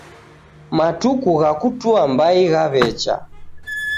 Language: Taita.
Matuku gha kutua mbai ghawecha